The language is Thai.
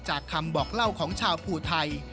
คำบอกเล่าของชาวภูไทย